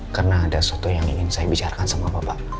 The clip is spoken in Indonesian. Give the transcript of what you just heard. karena ada suatu yang ingin saya bicarakan sama bapak